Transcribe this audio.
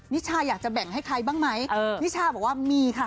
นิชาอยากจะแบ่งให้ใครบ้างไหมนิชาบอกว่ามีค่ะ